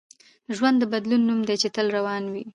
ژوند د بدلون نوم دی چي تل روان وي.